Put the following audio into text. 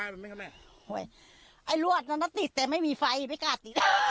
มันมั้ยครับแม่โอ้ยไอ้รวดนั้นน่ะติดแต่ไม่มีไฟไม่กล้าติด